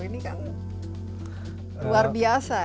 ini kan luar biasa